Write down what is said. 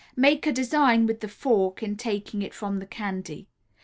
Make a design with the fork in taking it from the candy.